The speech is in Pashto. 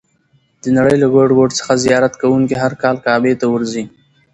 د نړۍ له ګوټ ګوټ څخه زیارت کوونکي هر کال کعبې ته ورځي.